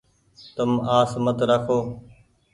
تم آس مت رآکو ۔